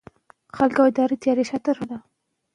د ماشوم د تنده ژر پوره کړئ.